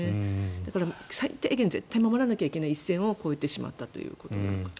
だから、最低限絶対守らなきゃいけない一線を越えてしまったのかなと。